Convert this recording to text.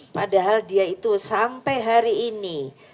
padahal dia itu sampai hari ini